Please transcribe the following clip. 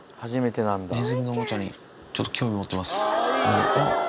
ネズミのおもちゃにちょっと興味持ってます。